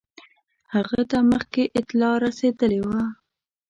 هغه ته مخکي اطلاع رسېدلې وه.